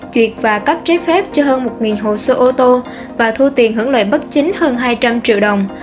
duyệt và cấp trái phép cho hơn một hồ sơ ô tô và thu tiền hưởng lợi bất chính hơn hai trăm linh triệu đồng